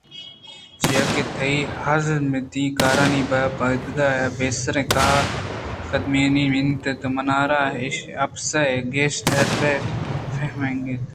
چیاکہ تئی ہزامتیں کارانی بندگ ءُ بے سریں کاہ ءُ کدیمانی منّت ءَ تو منارا اپسے ءَ گیش حرے فہمیتگ